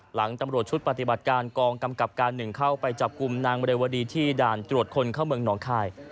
หลังตำรวจชุดปฏิบัติการกองกำกับการ๑เข้าไปจับกลุ่มนางเรวดีที่ด่านตรวจคนเข้าเมืองหนองคาย